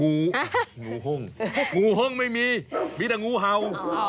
งูงูห้องงูห้องไม่มีมีแต่งูเห่า